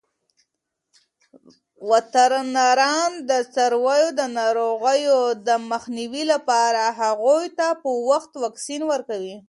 وترنران د څارویو د ناروغیو د مخنیوي لپاره هغوی ته په وخت واکسین ورکوي.